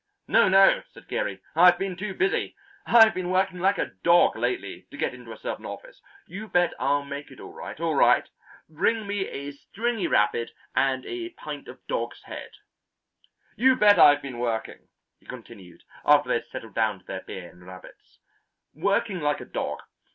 "No, no," said Geary. "I've been too busy. I've been working like a dog lately to get into a certain office. You bet I'll make it all right all right. Bring me a stringy rabbit and a pint of dog's head." "You bet I've been working," he continued after they had settled down to their beer and rabbits, "working like a dog.